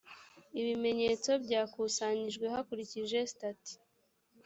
ibimenyetso byakusanyijwe hakurikijwe sitati